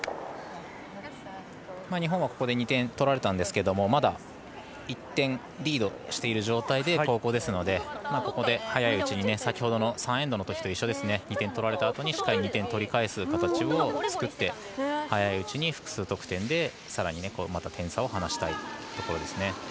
日本はここで２点取られたんですけどまだ１点リードしている状態で後攻ですのでここで早いうちに先ほどの３エンドのときと一緒で２点取られたあとにしっかり２点取り返す形を作って早いうちに複数得点でさらにまた点差を離したいですね。